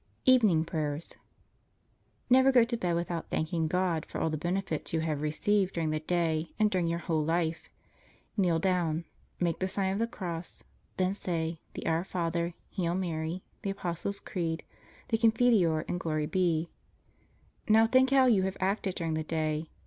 EVENING PRAYERS Never go to bed without thanking God for all the benefits you have received during the day and during your whole life. Kneel down. Make the Sign of the Cross. Then say the Our Father, Hail Mary, the Apostles' Creed, the Confiteor, and Glory be. Now think how you have acted during the day.